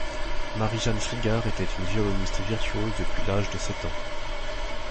Marie Jeanne Frigard était une violoniste virtuose depuis l'âge de sept ans.